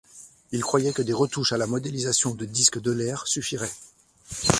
Il croyait que des retouches à la modélisation de disque d'Euler suffiraient.